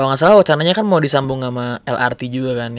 kalau nggak salah wacananya kan mau disambung sama lrt juga kan